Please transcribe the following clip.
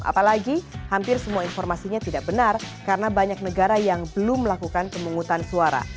apalagi hampir semua informasinya tidak benar karena banyak negara yang belum melakukan pemungutan suara